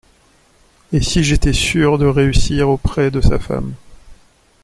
Et si j’étais sûr de réussir auprès de sa femme…